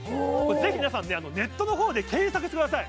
ぜひ皆さんねネットのほうで検索してください